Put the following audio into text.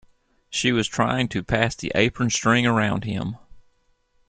She was trying to pass the apron string around him.